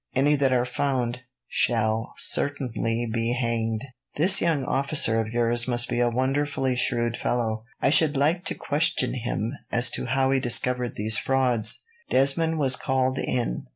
Any that are found shall certainly be hanged. "This young officer of yours must be a wonderfully shrewd fellow. I should like to question him as to how he discovered these frauds." Desmond was called in.